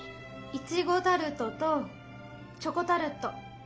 イチゴタルトとチョコタルト。